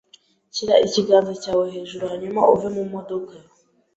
Shyira ikiganza cyawe hejuru hanyuma uve mu modoka.